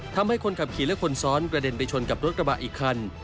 ทำให้คนขับขี่และคนซ้อนกระเด็นไปชนกับรถกระบะอีกคัน